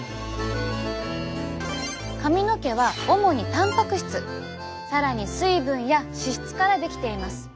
髪の毛は主にたんぱく質更に水分や脂質から出来ています。